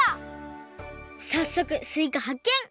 さっそくすいかはっけん！